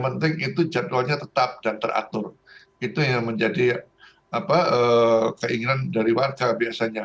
penting itu jadwalnya tetap dan teratur itu yang menjadi apa keinginan dari warga biasanya